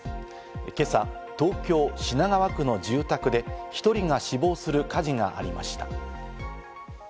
今朝、東京・品川区の住宅で１人が死亡する火事がありました。